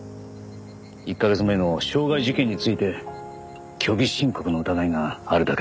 １カ月前の傷害事件について虚偽申告の疑いがあるだけです。